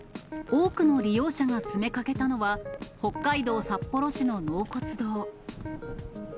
多くの利用者が詰めかけたのは、北海道札幌市の納骨堂。